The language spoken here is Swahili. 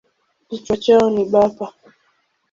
Kichwa chao ni bapa.